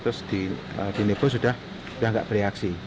terus dinebu sudah tidak berreaksi